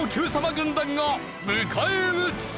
軍団が迎え撃つ！